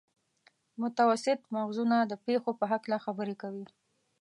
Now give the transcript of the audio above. متوسط مغزونه د پېښو په هکله خبرې کوي.